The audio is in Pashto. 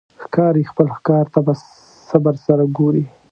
ښکاري خپل ښکار ته په صبر سره ګوري.